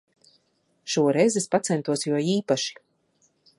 Šoreiz es pacentos jo īpaši.